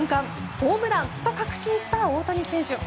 ホームランと確信した大谷選手。